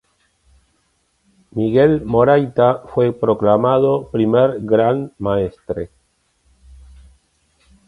Miguel Morayta fue proclamado primer Gran Maestre.